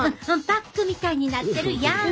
パックみたいになってるやん。